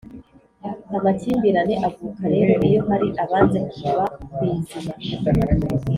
amakimbirane avuka rero iyo hari abanze kuva ku izima